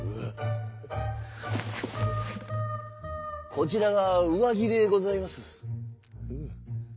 「こちらがうわぎでございます」。